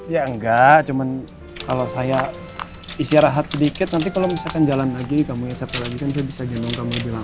ya enggak cuma kalau saya istirahat sedikit nanti kalau misalkan jalan lagi kamu ya capek lagi kan saya bisa jempol kamu lebih lama